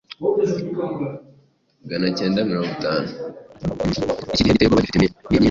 Iki gihe giteye ubwoba gifite imini myinhi